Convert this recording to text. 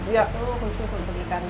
itu khusus untuk ikan